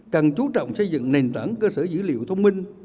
cần chú trọng xây dựng nền tảng cơ sở dữ liệu thông minh